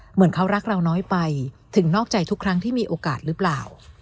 เหมือนเขารักเราน้อยไปถึงนอกใจทุกครั้งที่มีโอกาสหรือเปล่า